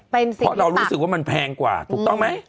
เป็นสิเพราะเรารู้สึกว่ามันแพงกว่าถูกต้องไหม